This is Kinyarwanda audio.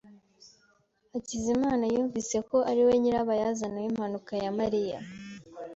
Hakizimana yumvise ko ari we nyirabayazana w'impanuka ya Mariya.